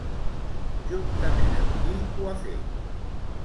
Juntament amb qui ho ha fet?